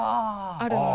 あるんで。